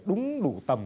đúng đủ tầm